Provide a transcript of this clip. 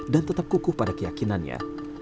dan tetap kukuh pada keyakinannya